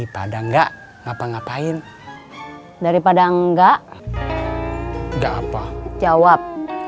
daripada enggak ngapa ngapain daripada enggak enggak apa jawab